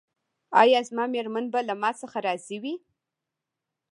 ایا زما میرمن به له ما څخه راضي وي؟